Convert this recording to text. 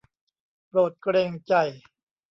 โปรดเกรงใจ